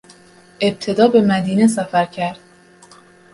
ابتدا به مدینه سفر کرد